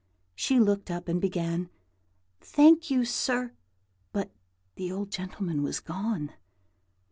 She looked up, and began, "Thank you, sir;" but the old gentleman was gone.